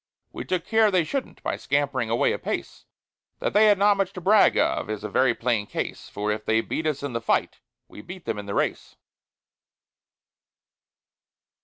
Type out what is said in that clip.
We took care they shouldn't, by scampering away apace. That they had not much to brag of, is a very plain case; For if they beat us in the fight, we beat them in the race.